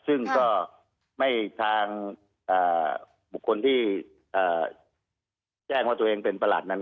ซึ่งก็ไม่ทางบุคคลที่แจ้งว่าตัวเองเป็นประหลัดนั้น